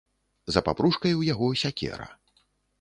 За папружкай у яго сякера.